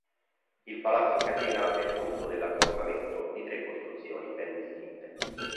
Il palazzo Catena è frutto dell'accorpamente di tre costruzioni ben distinte.